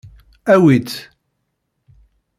Awi-tt.